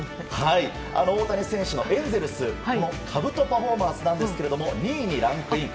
大谷選手のエンゼルスのかぶとパフォーマンスなんですが２位にランクイン。